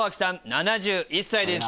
７１歳です